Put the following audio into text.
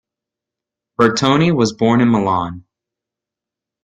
Bertoni was born in Milan.